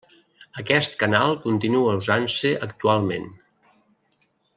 Aquest canal continua usant-se actualment.